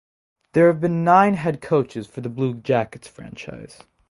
There have been nine head coaches for the Blue Jackets franchise.